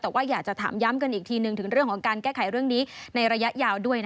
แต่ว่าอยากจะถามย้ำกันอีกทีหนึ่งถึงเรื่องของการแก้ไขเรื่องนี้ในระยะยาวด้วย